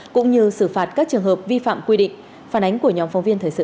cũng như xử phạt các trường hợp vi phạm quy định phản ánh của nhóm phóng viên thời sự